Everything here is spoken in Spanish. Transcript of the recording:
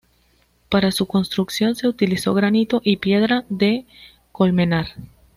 Para su construcción se utilizó granito y piedra de Colmenar.